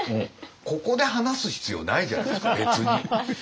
ここで話す必要ないじゃないですか別に。